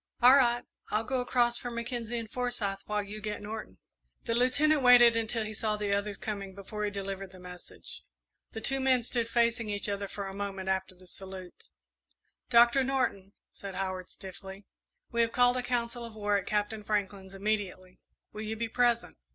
"All right I'll go across for Mackenzie and Forsyth, while you get Norton." The Lieutenant waited until he saw the others coming before he delivered the message. The two men stood facing each other for a moment after the salute. "Doctor Norton," said Howard, stiffly, "we have called a council of war at Captain Franklin's, immediately. Will you be present?"